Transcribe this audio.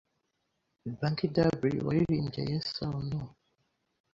Banky W waririmbye Yes or No